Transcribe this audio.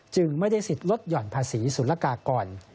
จึงไม่ได้สิทธิ์ลดหย่อนภาษีสุรกากร